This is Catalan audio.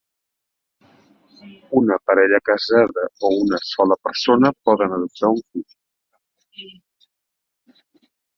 Una parella casada o una sola persona poden adoptar un fill.